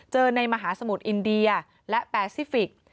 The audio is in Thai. เจอในมหาสมุดอินเดียและแปซิฟิก